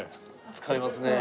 使いますね。